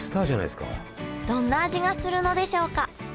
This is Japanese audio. どんな味がするのでしょうか？